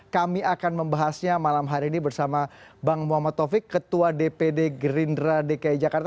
kami akan membahasnya malam hari ini bersama bang muhammad taufik ketua dpd gerindra dki jakarta